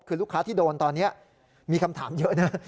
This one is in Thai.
คือลูกค้าที่โดนตอนนี้มีคำถามเยอะนะ